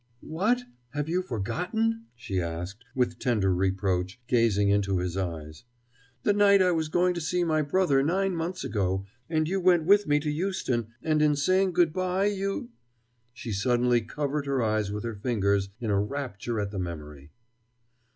"What, have you forgotten?" she asked with tender reproach, gazing into his eyes; "the night I was going to see my brother nine months ago, and you went with me to Euston, and in saying good by you " She suddenly covered her eyes with her fingers in a rapture at the memory.